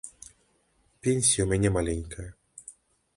Пенсія ў мяне маленькая.